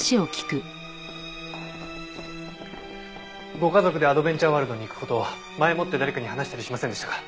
ご家族でアドベンチャーワールドに行く事を前もって誰かに話したりしませんでしたか？